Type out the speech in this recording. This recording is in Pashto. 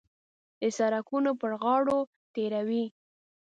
د سړکونو پر غاړو تېروي.